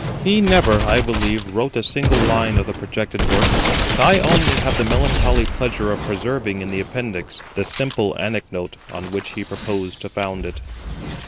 He never, I believe, wrote a single line of the projected work; and I only have the melancholy pleasure of preserving in the Appendix [Footnote: See Appendix No. III.] the simple anecdote on which he proposed to found it.